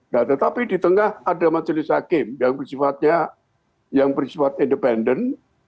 nah tetapi di tengah ada majelis hakim yang bersifatnya yang bersifat independen